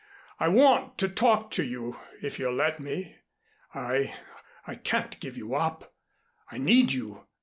I want to talk to you, if you'll let me. I I can't give you up I need you.